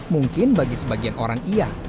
mungkin bagi sebagian orang iya